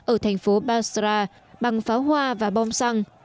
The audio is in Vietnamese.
ở thành phố basra bằng pháo hoa và bom xăng